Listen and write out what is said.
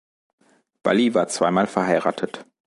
Valli war zweimal verheiratet.